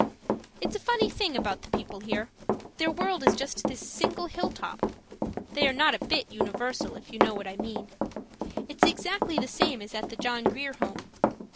It's a funny thing about the people here. Their world is just this single hilltop. They are not a bit universal, if you know what I mean. It's exactly the same as at the John Grier Home.